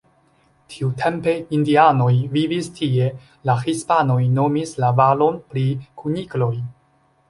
Tiutempe indianoj vivis tie, la hispanoj nomis la valon pri kunikloj.